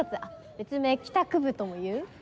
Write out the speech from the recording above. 別名帰宅部ともいう？